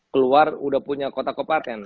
keluar udah punya kota kepaten